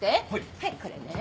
はいこれね。